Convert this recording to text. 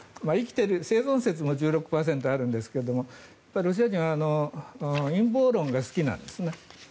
生存説も１６％あるんですがロシア人は陰謀論が好きなんですね。